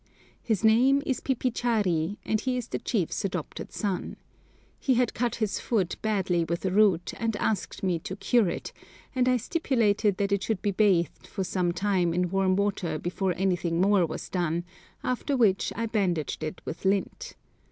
His name is Pipichari, and he is the chief's adopted son. He had cut his foot badly with a root, and asked me to cure it, and I stipulated that it should be bathed for some time in warm water before anything more was done, after which I bandaged it with lint.